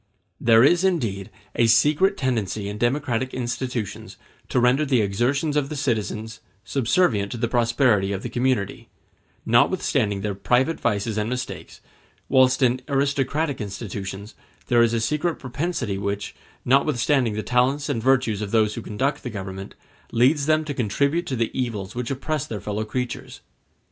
There is indeed a secret tendency in democratic institutions to render the exertions of the citizens subservient to the prosperity of the community, notwithstanding their private vices and mistakes; whilst in aristocratic institutions there is a secret propensity which, notwithstanding the talents and the virtues of those who conduct the government, leads them to contribute to the evils which oppress their fellow creatures.